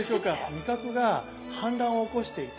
味覚が反乱を起こしていて。